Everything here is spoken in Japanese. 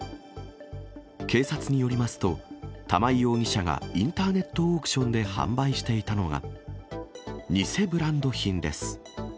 警察によりますと、玉井容疑者がインターネットオークションで販売していたのが、偽ブランド品です。